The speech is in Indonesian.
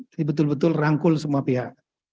jadi betul betul rangkul semua pihak